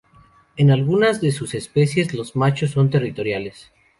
En algunas de sus especies los machos son territoriales.